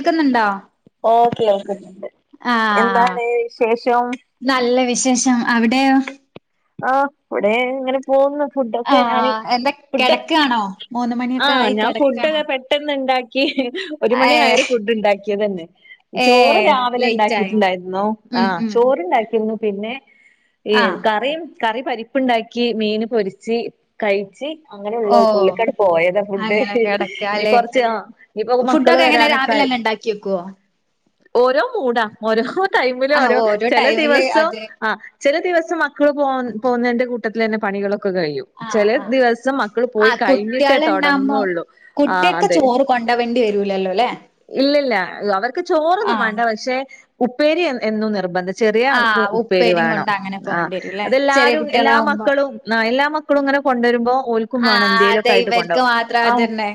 ക്ക്ന്ന്ണ്ടോ ഓഹ് കേൾക്കുന്നുണ്ട് ആഹ് നല്ല വിശേഷം അവിടെയോ? ആഹ് ഇവിടെ ഇങ്ങനെ പോകുന്നു ഫുഡൊക്കെ ഞാൻ ഫുഡോക്കെ ആഹ് ഞാൻ ഫുഡൊക്കെെ പെട്ടെന്ന് ട്ടെന്നുണ്ടാക്കി ഒരു മണി ആയേരെ ഫുഡ് ഉണ്ടാക്കിയതന്നെ ചോറ് രാവിലെണ്ടാക്കിട്ടുണ്ടായിരുന്നു ആഹ് ചോറണ്ടാക്കിരുന്നു പിന്നെ ഏഹ് കറിം കറി പരിപ്പുണ്ടാക്കി മീന് പൊരിച്ച് കഴിച്ച് അങ്ങനെ ഉള്ളൂ ഉള്ളിക്കാട് പോയത ഫുഡ് ഇനി കൊറച്ച് ആഹ് ഇനിപ്പോ മക്കള് വരാനൊക്കെ ആയി കേക്കോ ഓരോ മൂടാ ഓരോ ടൈമില് ഓരോ ചെല ദിവസം ആഹ് ചെല ദിവസം മക്കൾ പോ പോകുന്നതിന്റെ കൂട്ടത്തിലന്നെ പണികളൊക്കെ കഴിയും ചെലെ ദിവസം മക്കൾ പോയി കഴിഞ്ഞിട്ടേ തൊടങ്ങുള്ളൂ ആഹ് അതെ കൊണ്ടോവണ്ടി വരൂല്ലല്ലോല്ലേ ഇല്ലില്ല അവർക്ക് ചോറൊന്നും വേണ്ട പക്ഷേ ഉപ്പേരി എന്നും നിർബന്താ ചെറിയ ആൾക്ക് ഉപ്പേര് വേണം ആഹ് അതെല്ലാരും എല്ലാ മക്കളും എല്ലാ മക്കളും ഇങ്ങനെ കൊണ്ടുവരുമ്പോ ഓൽ ആഹ് അതെ ഇവർക്ക് മാത്രം അതന്നെ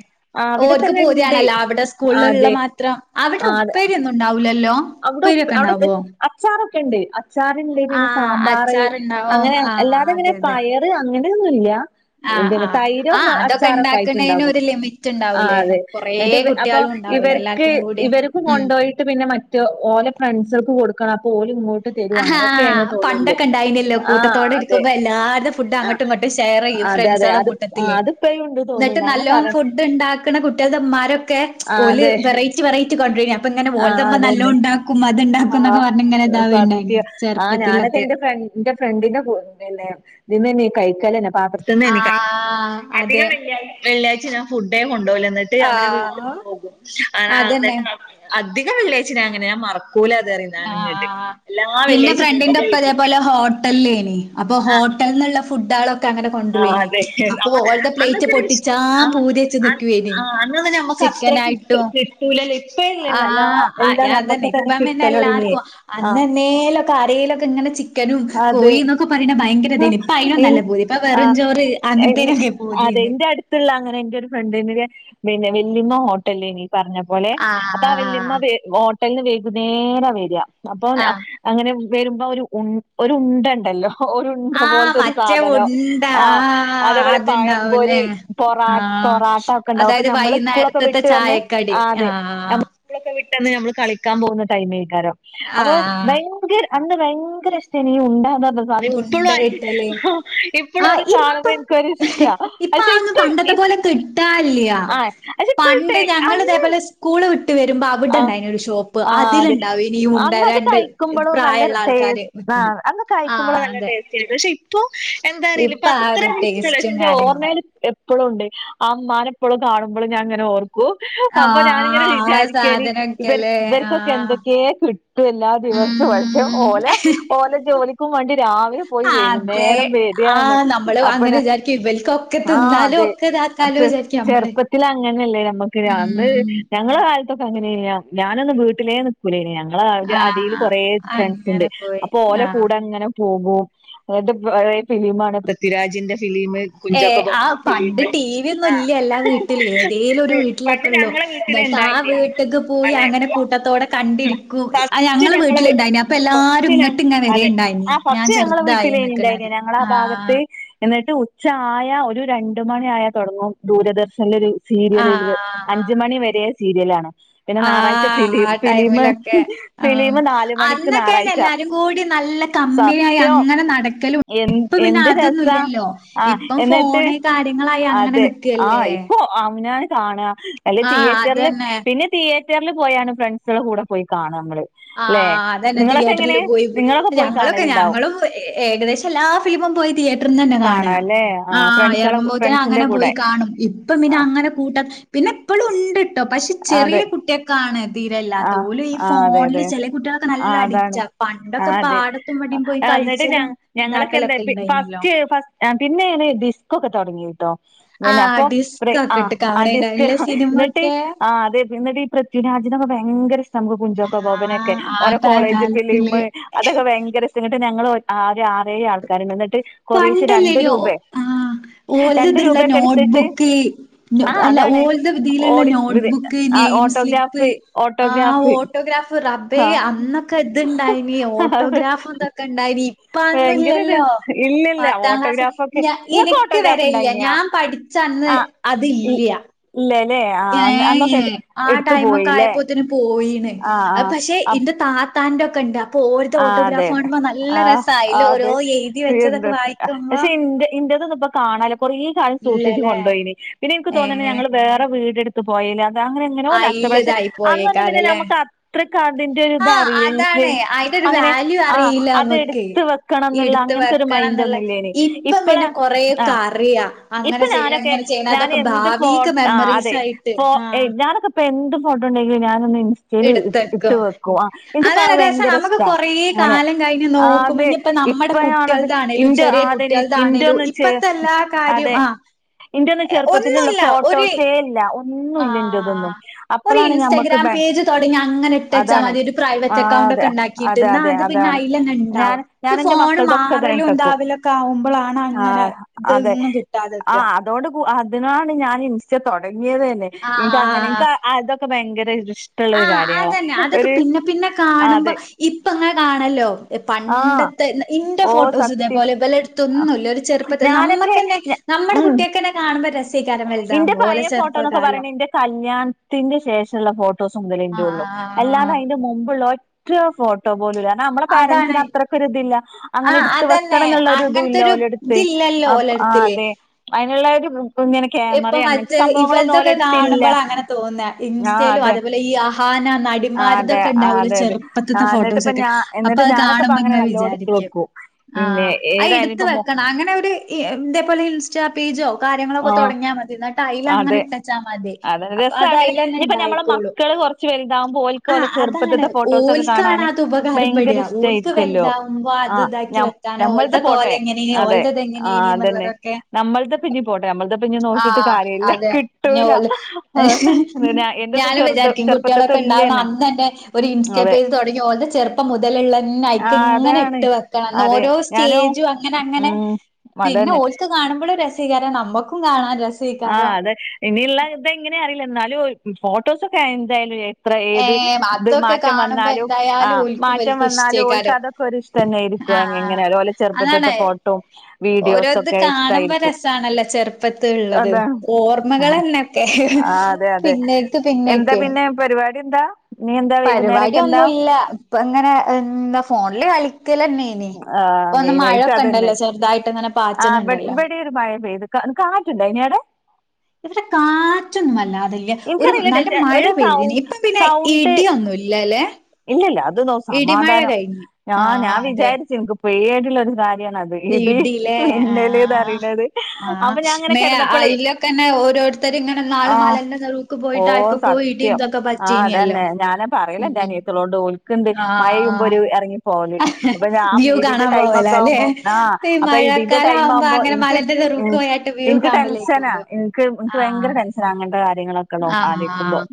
ഓര്ക്ക് പൂതിയാണല്ലോ അവിടെ സ്കൂൾള്ള മാത്രം അവിടെ ഉപ്പേരിയൊന്നുണ്ടാവൂലല്ലോ അവിടെ ഉപ്പ് അവിടെ അച്ചാറൊക്കെണ്ട് അച്ചാറ്ണ്ട് പിന്നെ സാമ്പാറ് അങ്ങനെ അല്ലാതെ ഇങ്ങനെ പയറ് അങ്ങന ഒന്നുല്ല [unintelligible] തൈരും അച്ചാറൊക്കെ ആയിട്ടുണ്ടാവും ആഹ് അതെ ന്നിട്ട് ഇവ് അപ്പൊ ഇവര്ക്ക് ഇവര്ക്ക് കൊണ്ടോയിട്ട് പിന്നെ മറ്റ ഓലെ ഫ്രണ്ട്സൾക്ക് കൊടുക്കണം അപ്പോ ഓലും ഇങ്ങോട്ട് അഹാ പണ്ടൊക്കെണ്ടായിന്നല്ലോ കൂട്ടത്തോടെ ഇരിക്കുമ്പ എല്ലാര്തും ഫുഡ് അങ്ങട്ടും ഇങ്ങട്ടും ഷെയർ ചെയ്യും ഫ്രണ്ട്സാളെ കൂട്ടത്തില് [unintelligible] ന്നിട്ട് നല്ലോം ഫുഡ് ഉണ്ടാക്കുന്ന കുട്ടികൾടെ മ്മാരൊക്കെ ഓല് വെറൈറ്റി വെറൈറ്റി കൊണ്ടരും നമ്മ അപ്പങ്ങനെ ഓൾടെമ്മ നല്ല ഉണ്ടാക്കും അതുണ്ടാക്കും എന്നക്കെ പറഞ്ഞ ഇങ്ങനെ ഇതാവന്നെ ആഹ് ഞാനൊക്കെ എന്റെ ന്റെ ഫ്രണ്ടിന്റെ കൂ തീന്നെയ്നി കൈക്കലന്നെ പാത്രത്തീന്നെയ്ന് കഴിക്ക്ണ് അധികം വെള്ളിയാഴ്ച വെള്ളിയാഴ്ച ഞാൻ ഫുഡേ കൊണ്ടോവൂലന്നിട്ട് അവരെ വീട്ടിൽ പോകും [unintelligible] അധികം വെള്ളാഴ്ചി ഞാനങ്ങനെ ഞാ മറക്കൂല അതെറിം ഞാങ്ങട്ട് ഇന്റെ ഫ്രണ്ടിന്റെറ ഇപ്പതേപോലെ ഹോട്ടൽല്ലേയ്ന്ന് അപ്പൊ ഹോട്ടൽ നിന്നുള്ള ഫുഡാളൊ ക്കങ്ങനെ കൊൻട്രൂയ്ന് അപ്പൊ ഓൽതെ പ്ലേറ്റ് പൊട്ടിച്ചാ പൂതിയെച്ച് നിക്കുവേയ്ന് ചിക്കനായിട്ടും ആ അതന്നെ ഇപ്പ പിന്നെഎല്ലാർക്കും അന്ന് എന്നേലൊക്കെ ആരേലൊക്കെ ഇങ്ങനെ ചിക്കനും കോയീന്നൊക്കെ പറയ്ണ ഭയ് യങ്കരതേയ്ന്ന് ഇപ്പ അയ്നൊന്നൂല്ലാ പൂതി ഇപ്പൊ വെറും ചോറ് അങ്ങൻതേനൊക്കെ പൂതിന്ന് ത്ത്ള്ള അങ്ങനെ എന്റെ ഒരു ഫ്രണ്ടിന്റെ പിന്നെ വല്ലിയൂമ്മ ഹോട്ടൽല്ലേയ്ന്ന് പർഞ്ഞ പോലെ അപ്പൊ ആ വല്യമ്മ വ ഹോട്ടൽന്ന് വൈകുന്നേരം വറാ അപ്പൊ അങ്ങനെ വരുമ്പോ ഒരു ഉ ഒരു ഉണ്ടണ്ടല്ലോ ഒരു ഉ ഉണ്ട പോൽത്തെ ഒരു സാധനം ആ അതേപോലെ പഴംപൊരി പൊറാ പൊറാട്ട ഒക്കെ ഉണ്ടാവും അപ്പൊ നമ്മള് സ്കൂളൊക്കെ വിട്ട് വന്ന് ആ അതെ സ്കൂളൊക്കെ വിട്ടന്ന് നമ്മള് കളിക്കാൻ പോകുന്ന ടൈമയ്ക്കാരം അപ്പൊ ഭയങ്കര അന്ന് ഭയങ്കര ഇഷ്ടേയ്ന്ന് ഈ ഉണ്ടാന്ന് പറഞ്ഞ സാധനം ഇപ്പോളും ഇപ്പളും അത് കാണുമ്പൊ എനിക്കൊരിഷ്ടാ പക്ഷേ ഇപ്പ കിട്ടാല്ല്യാ പണ്ട് ഞങ്ങള് ഇതേപോലെ സ് സ്കൂള് വിട്ട് വരുമ്പോ അവിടെണ്ടായ്നു ഒര് ഷോപ്പ് അതിലുണ്ടാവേയ്ന് ഈ ഉണ്ട രണ്ട് പ്രായള്ള ടേസ് ആഹ് അന്ന്കയ് കുമ്പളൊക്കെ നല്ല ടേസ്റ്റേയ്ന്ന് പക്ഷേ ഇപ്പൊ എന്താ അറീല ഇപ്പ അത്ര ഇഷ്ടല്ല പക്ഷേ ന്റെ ഓർമ്മേല് എപ് പ്പളുണ്ട് ആ മ്മാനെപ്പളും കാണുമ്പോ ഞാൻങ്ങനെ ഓർക്കും അപ്പൊ ഞാനിങ്ങനെ വിചാരി സാധനൊക്കലേ ഇവർക്കൊക്കെ എന്തൊക്കെയ കിട്ടും എല്ലാ ദിവസവും പക്ഷെ ഓല ഓല ജോലി വണ്ടി രാവെ അവര് പോയി വൈകുന്നേരം വേരയാണ് അപ്പന ആഹ് അതെ ചെറുപ്പത്തിൽ അങ്ങനെയല്ലേ നമ്മുക്ക് അന്ന് ഞങ്ങളുടെ കാലത്തൊക്കെ അങ്ങനെയ്നിം ഞാനൊന്നും വീട്ടിലെ ല ഞങ്ങടെ അടിയിൽ കുറേ ഫ്രണ്ട്സ് ഉണ്ട് അപ്പൊ ഓല കൂടെ അങ്ങനെ പോകും ന്നിട്ട് കൊറേ ഫിലിമാണ് പൃഥ്വിരാജിന്റെ ഫിലിമ് കുഞ്ചക്ക ബോബന്റെ ഫിലിമ് ആഹാ പണ്ട് ഞങ്ങള വീട്ടില ഇണ്ടായിനിം അതെ ഫസ്റ്റ് ഞങ്ങ ഫസ്റ്റ് ഞ അതെ ആ ഫസ്റ്റ് ഞങ്ങളെ വീട്ടിലെയ്നിംണ്ടായന ഞങ്ങള ആ ഭാഗത്ത് എന്നിട്ട് ഉച്ച ആയ ഒരു രണ്ട മണി ആയ തുടങ്ങും ദൂരദർശനിൽ ഒരു സീരിയലത് അഞ്ച് മണി വരെ സീരിയല ആണ് ആഹാ ആഹാ ടൈമിലൊക്കെ ആഹാ അന്നൊക്കെന്ന എല്ലാരും കൂടി നല്ല കമ്പനിയായി അങ്ങനെ നടക്കലും ഇപ്പ പിന്നെ അതൊന്നുംല്ലല്ലോ ഇപ്പം ഫോണ് കാര്യങ്ങളായി അങ്ങനെ നിക്കല്ലേ അവനാന് കാണുക അല്ല തിയേറ്ററില് പിന്നെ തിയേറ്ററിൽ പോയാണ് ഫ്രണ്ട്സാളെടെ കൂടെ പോയി കാണാം നമ്മള് ആഹ് അതന്നെ തിയേറ്ററിൽ പോയി ഞങ്ങളൊക്കെ ഞങ്ങളും ഏകദേശം എല്ലാ ഫിലിമും പോയി തിയേറ്ററിൽ നിന്ന് തന്നെ കാണുക ആ എറങ്ങുമ്പോത്തിന് അങ്ങനെ പോയി കാണും ഇപ്പം ഇന്ന അങ്ങനെ കൂട്ട പിന്നെ ഇപ്പഴും ഉണ്ടിട്ടോ പക്ഷെ ചെറിയ കുട്ടിയ കാണ തീരെല്ലാത്ത ഓല് ഈ ഫോണില് ആ അതാണ് ആ അതെ എന്നിട്ട് ഞങ്ങളൊക്കെ എന്താ ഫസ്റ്റ് ഫ പിന്നൊണ് ഡിസ്ക ഒക്കെ തുടങ്ങിട്ടോ പിന്നെ അപ്പൊ ആ ആ ഡിസ്ക് എന്നിട്ട് ആ അതെ എന്നിട്ട് പിന്നെ അജിനൊക്കെ ഭയങ്കരഷ്ട്ടാ നമുക്ക് കുഞ്ചോക്ക ബബോബനൊക്കെ ഓരോ കോളേജ് ഫിലിം അതൊക്കെ ഭയങ്കര രസാ എന്നിട്ട് ഞങ്ങള്ൾ ആ ഒരു ആറേഴ് ആൾക്കാരുണ്ട് എന്നിട്ട് കുറേശ് രണ്ട് രൂപേ ഓലൽലതുള്ള നോട്ട്ബുക്ക് അല്ല ഓല ദ ഇതിയിലുള്ള നോട്ട്ബുക്ക് നെയിംസ്ലിപ്പ ആ ഓട്ടോഗ്രാഫ് റബേ അന്നൊക്കെ ഇത്ണ്ടായിനി ഓട്ടോഗ്രാഫ് ന്തൊ ക്ക ഇണ്ടായിനിം ഇപ്പഅന്നുംല്ലല്ലോ പത്താം ക്ലാസ് ഞ ഇനിക്ക് വരേയില്ല ഞാൻ പഠിച്ചന്ന് അത്ല്ല്യ ഇല്ലല്ലെ ഏ ഏ ആ ടൈമൊക്കെ ആയപ്പോത്തിന് പോയിന്ന് അഹ് പക്ഷെ ഇന്റെ താത്താന്റെ ഒക്കെ ഇണ്ടോ അപ്പൊ ഓരത്ത ഓട്ടോഗ്രാഫ് കാണുമ്പോ നല്ല രസായില്ല ഓരോ എഴുതി വെച്ചതൊക്കെ വായിക്കുമ്പോ കാണല്ല കൊറേ കാലം സൂക്ഷിച്ചച്ച് കൊണ്ടോയിനിം പിന്നെ ഇനിക്ക് തോന്നണ് ഞങ്ങൾ വേറെ വീട്ടുത്ത് പോയല്ല അത് അങ്ങനെ എങ്ങനെയോ നഷ്ടം പക്ഷെ അന്നൊന്നും പിന്നെ നമുക്ക് അറി ഇത്ര കാന്തിന്റെ ഇതാ അറിയില്ലേ അങ്ങനെ ആ അത് എടുത്ത വെക്കണംന്നുള്ള അങ്ങനത്തെ ഒരു മൈൻഡ ഒന്നുല്ലേനി ഇപ്പളാ ആഹ ഇപ്പൊ ഞാനൊക്കെ ഞാൻ എന്ത് ഫോ ആ അതെ ഞാനൊക്കെ ഇപ്പൊ എന്ത് ഫോട്ടോണ്ടെങ്കില ഞാനൊന്ന് ഇ യില് ഇട്ട് വെക്കും ആ ഇനിക്ക്പ്പൊ ഭയങ്കര ആണെ ആ അതെ ഇപ്പൊഴാ ആണത് ഇന്റോ ആ [unintelligible] ശെരി അതെ ഇന്റെറ ഒന്നും ചെറുപ്പത്തിലുള്ള ഫോട്ടോസേല്ല ഒന്നുല്ല ഇന്റെതൊന്നും അപ്പളാണ് ഞമ്മക്ക് പേജ് തുടങ്ങി അങ്ങനെ ഇട്ടച്ചൽ മതി ഒരു പ്രൈവറ്റ് അക്കൗണ്ട് ഒക്കെ ഉണ്ടാക്കി കിട്ടുന്ന അത് പിന്നെ അയിൽന്ന ഉണ്ടാവും ഇത് ഫോണ് മാറലും എന്താവലും ഒക്കെ ആവുമ്പോളാണ് അങ്ങനെ ഇതോന്നും കിട്ടാതെക്കുക അതോണ്ട് അതിനാണ് ഞാൻ ഇൻസ്റ്റ തുടങ്ങിയത് തന്നെ എനിക്ക് അങ്ങനെ എനിക്ക് ആഹ് അതൊക്കെ ഭയങ്കര [unintelligible] ആഹ് അതെന്നെ, അതൊക്കെ പിന്നെ പിന്നെ കാണുമ്പോ ഇപ്പ- ങ്ങനെ കാണല്ലോ. പണ്ടത്തെ ഇന്റെ ഫോട്ടോസ് ഇതേപോലെ, ഇവലെട്ത്തൊന്നൂല്ല. ഒരു ചെർപ്പത്തെ നമ്മക്കെന്നെ നമ്മുടെ കുട്ട്യാക്കെന്നെ കാണുമ്പോ രസേകാരം വൽതാവുമ്പൊ, ഓലെ ചെറുപ്പ കാലം. കല്യാൺത്തിന്റെ ശേഷള്ള ഫോട്ടോസ് മുതലേ ഇന്റൊള്ളു. അല്ലാതെ അയ്ന്റെ മുമ്പ്ള്ള ഒ റ്റ ഫോട്ടോ പോലൂല്ല. കാര്ണ നമ്മളെ പേരൻറ്സിന- ത്രയ്ക്കൊര്ത് ല്ല. അങ്ങനെട്ത്ത് വെക്കേണംന്ന്ള്ള ഒര്തൂല്ല ഓലെട്ത്ത്. അപ് ആഹ് അതെ. അയ്ന്ള്ളെ ഒര് [unintelligible] ക്യാമറിം, അങ്ങൻത്തെ സംഭവങ്ങളൊന്നും ഓലെട്ത്തില്ല. ആഹ് അതെ. ആഹ് അതെ, ആഹ് അതെ അതെ. ആ എന്നിട്ട്പ്പ ഞാ എന്നിട്ട് ഞാനൊക്കെപ്പ അങ്ങനെ നല്ലോടി [unintelligible] ആഹ്, അയ് ഇട്ത്ത് വെക്കണം. അങ്ങനൊര് ഇ ഇന്തെ പോലെ ഇൻസ്റ്റാ പേജോ, കാര്യങ്ങളൊക്കെ തൊട്ങ്ങ്യാ മതി, ഇന്നാ ട്ടയ്ലങ്ങനെ ഇട്ടെച്ചാ മതി. അപ്പൊ അതയ്ലെന്നെ ഇണ്ടായിക്കോളും. ആഹ് അതാണ്. ഓൽക്കാണതുപകാരപ്പെട, ഓൽക്ക് വെൽതാവുമ്പോ, അത് താക്കി വെ [unintelligible] ഓൽതൊക്കെ ഓലെങ്ങനേനീ, ഓൽതത് എങ്ങനേനീ ന്ന്ള്ളതൊക്കെ നമ്മൾത് പ്പിഞ്ഞ് പോട്ടെ, നമ്മൾത്പ്പഞ്ഞ് നോക്കീട്ട് ആഹ് അതെ, ഇഞ്ഞോല് ഞാനും വിചാരിക്കും കുട്ട്യാളൊക്കെ ഇണ്ടാവ്ണ അന്നന്നെ ഒരു ഇൻസ്റ്റാ പേജ് തൊട്ങ്ങി, ഓൽത് ചെറുപ്പം മുതല്ള്ളെന്നെ ഐക്കങ്ങനെ ഇട്ട് വെക്കണം. ന്ന് ഓരോ സ്റ്റേജും അങ്ങനങ്ങനെ, പിന്നെ ഓൽക്ക് കാണ് മ്പളും രസേകാരം നമ്മക്കും കാണാൻ രസ ആഹ് അതെ, ഇനിയ്ള്ള തെങ്ങനെ അറിയില്ല, ന്നാലും ഫോട്ടോസൊക്കെ എന്താ യാലും എ ത്ര ഏത് ഇത് മാറ്റം വന്നാലും, ആഹ് മാറ്റം വന്നാലും ഓൽക്കതൊക്കെ ഒര്ഷ് തന്നായിരിക്കു, അങ്ങിങ്ങനെ ഓലെ ചെർപ്പത്ത്ത്തെ ഫോട്ടും, വീഡിയോസൊക്കെ ഇഷ്ടായിരിക്കും. ത്താണല്ലെ ചെർ പ്പത്ത്ള്ളത്. ഓർമ്മകളെന്നെക്കെ പിന്നേക്ക് പിന്നേക്കെ പരിവാട്യെന്താ? പരിവാടി ഒന്നൂല്ല, ഇപ്പങ്ങനെ എന്താ, ഫോണില് കളിക്കലന്നേ [unintelligible] പ്പൊ ന്ന് മഴൊക്കെണ്ടല്ലോ, ചെറുതായിട്ട്- ങ്ങനെ പാച്ച്ന്ണ്ടല്ലോ. ചെറ്യേഒര് മഴ പെയ്ത് കാ കാറ്റ്ണ്ടായീനവ്ടെ? ഇവിടെ കാറ്റൊന്നും വല്ലാതെല്ല്യ ഒരു നല്ല മഴ പെയ്തിന്, ഇപ്പ പ്പിന്നെ ഇടിയൊന്നുല്ല ലേ? ഇല്ലല്ല, അത് നോ സമാധാനം. ഞാ ഞാൻ വിചാരിച്ച് ഇൻക്ക് പേട്യായ്ട്ട്ള്ള ഒരു കാര്യാ [unintelligible] ഇന്നലെ ഇതറിണത്. അപ്പൊ ഞാങ്ങനെ കെടന്നപ്പളേ ക്കെന്നെ ഓരോരുത്തര്ങ്ങനെ, ഇന്നാള് മലന്റെ നൊറൂക്ക് പോയിട്ട്, ആർക്കൊക്കോ ഇടീം തൊക്കെ പറ്റീനല്ലോ. കെ പറിണ് ണ്ടനിയത്തിനോട് ഓൽ ക്ക്ണ്ട് മഴെയ്യുമ്പൊരു എർങ്ങി പോവല്, അപ്പൊ ഞാ മീടിന്റെ ടൈമൊക്കാവുമ്പോ ആഹ് അപ്പൊ ഇടിന്റെ ടൈമാവുമ്പൊ, ഇൻക്ക് ഉം. ഇൻക്ക് ടെൻഷനാ, ഇൻക്ക് ഇൻക്ക് ഭയങ്കര ടെൻ അങ്ങൻത്തെ കാര്യങ്ങളൊ ആഹ് ആഹ്,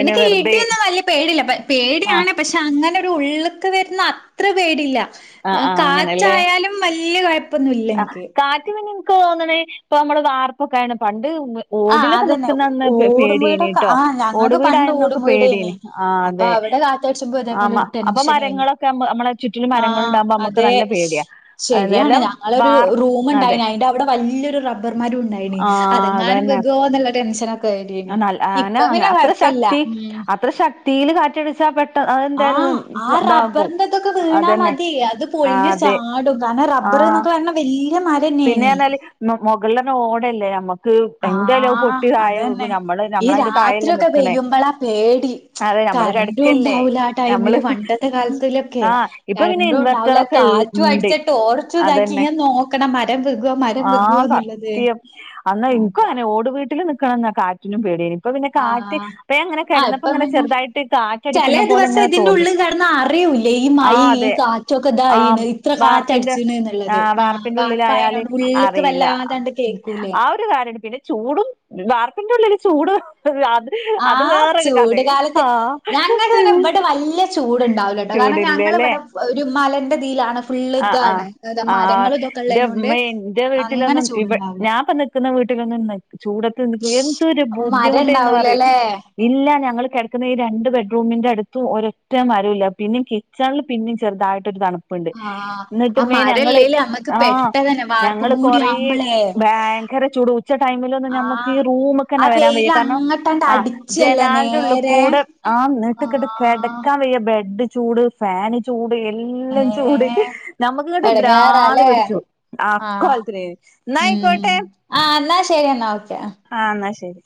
എനിക്ക് ഇടിയൊന്നും വല്ല്യ പേടില്ല. പ പേടിയാണ്, പക്ഷെ അങ്ങനൊരു ഉള്ള്ക്ക് വരുന്ന അത്ര പേടില്ല. ഏ കാറ്റായാലും വല്ല്യ കൊയ് ആഹ്, കാറ്റ് പിന്നെ ഇൻക്ക് തോന്ന്ണ്, ഇപ്പൊ അമ്മള് വാർപ്പൊക്കെ ആയോണ്ട് പണ്ട് ഓടിലൊക്കെ നിക്ക്ന്നന്ന് പേടിയേനി ട്ടോ. ഓട് വീടായന്നൊക്കെ പേടിയേനി. ആഹ് അതെ, ആ മ അപ്പൊ മരങ്ങളൊക്കെ നമ്മ നമ്മളെ ചുറ്റില് മരങ്ങള്ണ്ടാവുമ്പോ, അമ്മക്ക് നല്ല പേട്യാ ശരിയാണ് ഞങ്ങള് രു റൂമ് ണ്ടായ്നി, അയ്ന്റവ്ടെ വല്ല്യൊരു റബ്ബർമരൂണ്ടായ്നി. അതെങ്ങാനും വികോന്ന്ള്ളെ ടെൻഷന അ നൽ [unintelligible] അത്ര ശക്തി, അത്ര ശക്തീല് കാറ്റടിച്ചാ പെ ആഹ്, ആ റബ്ബർന്റെതൊക്കെ വീണാ മതീ, അത് പൊഴിഞ്ഞ് ചാ ആടും, കാരണം റബ്ബറ്- ന്നൊക്കെ പർഞ്ഞാ വല്ല്യ മര പിന്നേന്ന് പറഞ്ഞാല് മുകളിൽ ഓടല്ലേ നമ്മക്ക് ആഹ് അതന്നെ ഈ രാത്രിയൊക്കെ പെയ്യുമ്പോളാ പേടി കറന്റും ഉണ്ടാവൂല ആഹ് ടൈമില് പണ്ടത്തെ കാലത്തിലൊക്കെ കറന്റും ഉണ്ടാവൂല കാ അടിച്ച് ടോർച്ചും ഇതാക്കി ഇങ്ങനെ നോക്കണം മരം വെകുവോ മരം വെകുവോന്നുള്ളത് എന്നാ ഇനക്കുംങ്ങനെ ഓട് വീട്ടിൽ നിക്കണം എന്നൊക്കെ ആഗ റ്റിനും പേടിയാണ് ഇപ്പൊ പിന്നെ കാറ്റ് അ ഈപ്പൊ ഇങ്ങനെ കിടന്നപ്പോങ്ങനെ ചെറുതായിട്ട് കാ ചില ദിവസം ഇതിന്റെ ഉള്ളിൽ കിടന്നാ അറിയൂല്ല ഈ മഴ ഈ കാറ്റൊക്കെ ഇതായിണ് ഇത്ര ഫാറ്റടിച്ചിണ് എന്നുള്ളത് വാർക്കയായതോണ്ട് ഉള്ളുക്ക് വല്ലാതാണ്ട് കേൾക്കൂല്ലേ പിന്നെ ചൂടും വാർക്കന്റെ ഉള്ളില് ചൂട് അത് ആഹ് ചൂട് കാലത്ത് ഞങ്ങക്ക് പിന്നെ ഇവിടെ വലിയ ചൂട്ണ്ടാവൂല കേട്ടോ കാരണം ഞങ്ങള് ഇവിടെ ഒരു മലേന്റെ ഇതീലാണ് ആഹ് ആഹ് ആഹ് എന്റെ അമ്മേഎന്റെ വീട്ടിലൊന്നും ഞാൻ പറഞ്ഞ നിക്കുന്ന വീട്ടുകളിൽ നി ചൂടത്ത് നി എന്ത് ഒരു ബുദ്ധിമുട്ടാന്ന് അറിയോ ഇല്ല ഞങ്ങൾ കിടക്കുന്ന ഈ രണ്ട് ബെഡ്റൂമിന്റെ അടുത്തും ഒരൊറ്റ മരമില്ല പിന്നെ കി കിച്ചണിൽ പിന്നേം ചെറുതായിട്ട് ഒരു തണുപ്പുണ്ട് എന്നിട്ട് ഞാ ആഹ് ഞങ്ങള് കൊറേ ഭയങ്കര ചൂട് ഉച്ച ടൈമിലൊന്ന് നമുക്ക് ഈ റൂമൊക്ക് തന്നെ വരാൻ വയ്യ കാരണം ആഹ് ജനാലന്റെ ഉള്ളിൽ കൂടെ ആഹ് ന്നിട്ട അങ്ങട്ട് കിടക്കാൻ വയ്യ ബെഡ് ചൂട് ഫാന് ചൂട് എല്ലാം ചൂട് നമുക്കിങ്ങോട്ട് ഭ്രാന്ത് പിടിച്ചു ആക്കോലത്തിന് എന്നായിക്കോട്ടെ ആഹ് എന്നാൽ ശരി എന്നാൽ ഓക്കെ ആഹ് എന്നാ ശരി